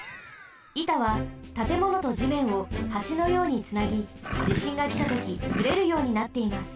いたはたてものとじめんをはしのようにつなぎじしんがきたときずれるようになっています。